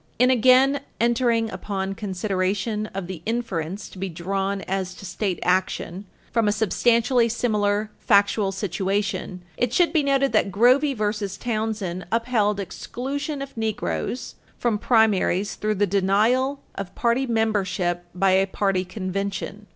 In again entering upon consideration of the inference to be drawn as to state action from a substantially similar factual situation, it should be noted that Grovey v. Townsend upheld exclusion of Negroes from primaries through the denial of party membership by a party convention.